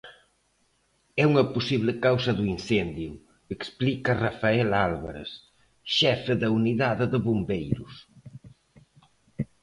É unha posible causa do incendio, explica Rafael Álvarez, xefe da Unidade de Bombeiros.